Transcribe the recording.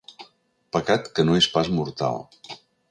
Pecat que no és pas mortal.